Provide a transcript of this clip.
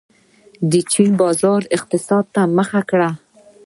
چین بازاري اقتصاد ته مخه کړه.